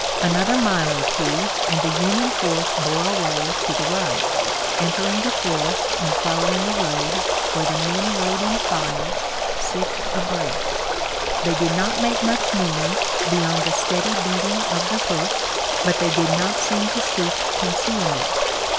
Another mile or two and the Union force bore away to the right, entering the forest and following a road, where the men rode in files, six abreast. They did not make much noise, beyond the steady beating of the hoofs, but they did not seem to seek concealment.